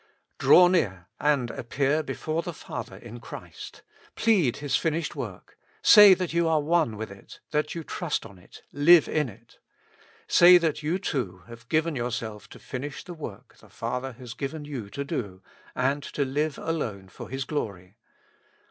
Draw near and appear before the Father in Christ. Plead His finished work. Say that you are one with it, that you trust on it, live in it. Say that you too have given yourself to finish the work the Father has given you to do, and to live alone for His glory.